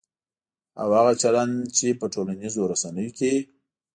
او هغه چلند چې په ټولنیزو رسنیو کې